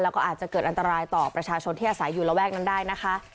แล้วก็อาจจะเกิดอันตรายต่อประชาชนที่อาศัยอยู่ระแวกนั้นได้นะคะ